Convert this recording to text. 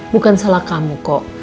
bukan salah kamu kok